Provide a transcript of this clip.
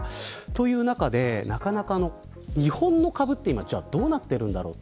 という中で、なかなか日本の株はどうなっているのだろう。